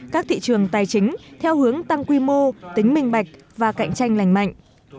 các thị trường tài chính theo hướng tăng quy mô tính minh bạch và cạnh tranh lành mạnh